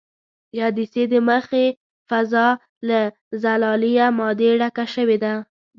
د عدسیې د مخې فضا له زلالیه مادې ډکه شوې ده.